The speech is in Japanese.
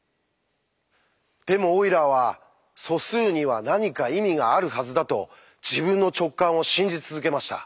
でもオイラーは素数には何か意味があるはずだと自分の直感を信じ続けました。